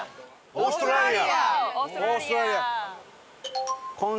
オーストラリア！